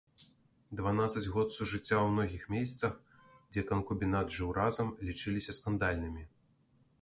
Дванаццаць год сужыцця ў многіх месцах, дзе канкубінат жыў разам, лічыліся скандальнымі.